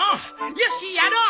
よしやろう！